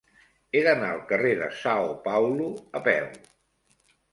He d'anar al carrer de São Paulo a peu.